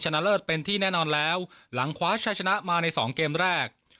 เลิศเป็นที่แน่นอนแล้วหลังคว้าชัยชนะมาในสองเกมแรก